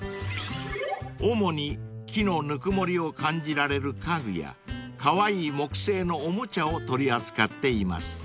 ［主に木のぬくもりを感じられる家具やカワイイ木製のおもちゃを取り扱っています］